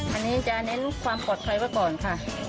อันนี้จะเน้นลูกความปลอดภัยไว้ก่อนค่ะ